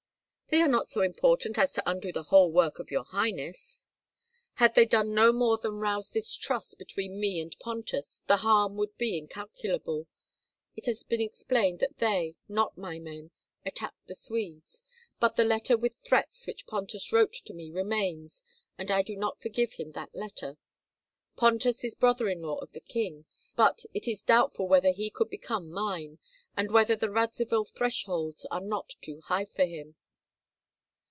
"They are not so important as to undo the whole work of your highness." "Had they done no more than rouse distrust between me and Pontus, the harm would be incalculable. It has been explained that they, not my men, attacked the Swedes; but the letter with threats which Pontus wrote to me remains, and I do not forgive him that letter. Pontus is brother in law of the king, but it is doubtful whether he could become mine, and whether the Radzivill thresholds are not too high for him."